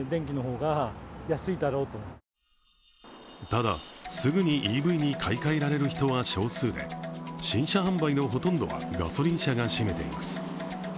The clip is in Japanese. ただ、すぐにＥＶに買い換えられる人は少数で新車販売のほとんどはガソリン車が占めています。